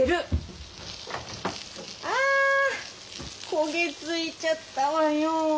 焦げついちゃったわよ。